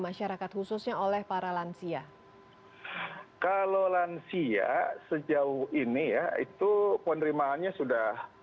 masyarakat khususnya oleh para lansia kalau lansia sejauh ini ya itu penerimaannya sudah